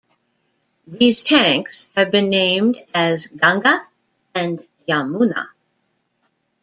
These tanks have been named as Ganga and Yamuna.